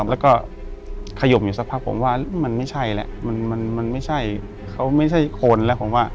แล้วก็ขยมอยู่สักพักผมว่ามันไม่ใช่แล้วมันไม่ใช่เขาไม่ใช่คนแล้วผมว่า